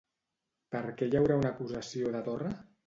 Per què hi haurà una acusació de Torra?